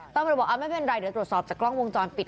ตำรวจบอกไม่เป็นไรเดี๋ยวตรวจสอบจากกล้องวงจรปิด